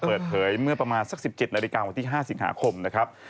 เปิดเผยเมื่อประมาณสัก๑๗นาฬิกาวันที่๕สิงหาคมนะครับ